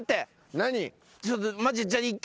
何？